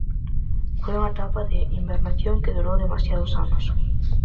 Foi unha etapa de hibernación que durou demasiados anos.